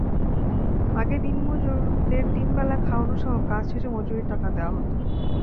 আগে দিনমজুরদের তিন বেলা খাওয়ানোসহ কাজ শেষে মজুরির টাকা দেওয়া হতো।